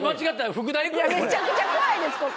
めちゃくちゃ怖いですここ。